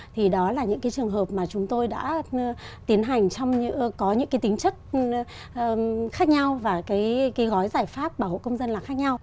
thì đó là những trường hợp mà chúng tôi đã tiến hành có những cái tính chất khác nhau và cái gói giải pháp bảo hộ công dân là khác nhau